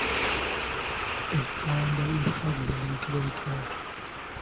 Ebbanda essajja liyitibwa litya?